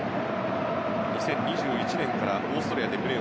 ２０２１年からオーストリアでプレー。